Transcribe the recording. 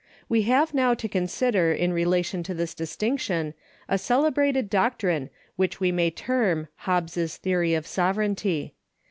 We have now to consider in relation to this distinction a celebrated doctrine which Ave may term Hobbes's theory of sovereignty.